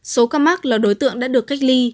số ca mắc là đối tượng đã được cách ly